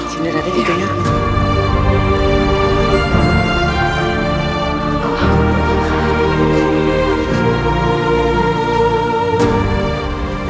mereka lebih memerlukan air itu